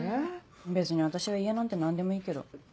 別に私は家なんて何でもいいけど。